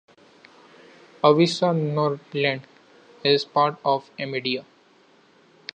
"Avisa Nordland" is part of Amedia.